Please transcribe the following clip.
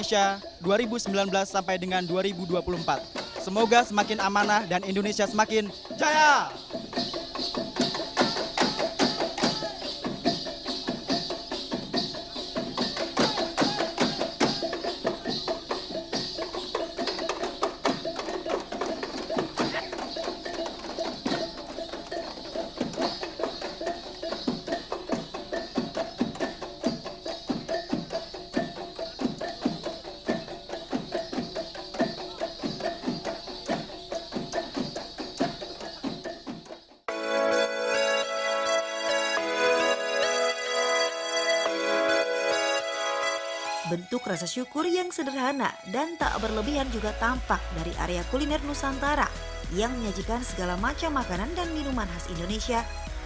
selamat atas terpilihnya dan selamat atas perlantikan bapak presiden republik indonesia